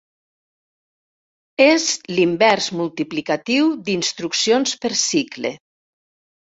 És l'invers multiplicatiu d'instruccions per cicle.